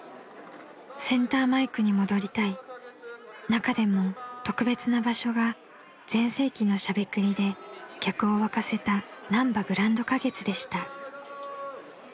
［中でも特別な場所が全盛期のしゃべくりで客を沸かせたなんばグランド花月でした］